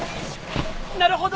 なるほど。